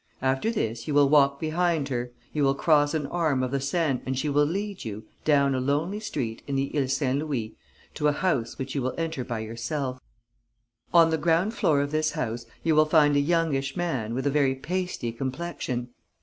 After this, you will walk behind her, you will cross an arm of the Seine and she will lead you, down a lonely street in the Ile Saint Louis, to a house which you will enter by yourself. "On the ground floor of this house, you will find a youngish man with a very pasty complexion.